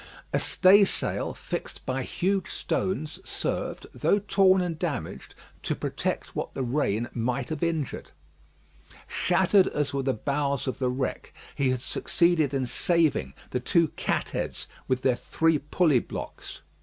A stay sail, fixed by huge stones, served, though torn and damaged, to protect what the rain might have injured. Shattered as were the bows of the wreck, he had succeeded in saving the two cat heads with their three pulley blocks.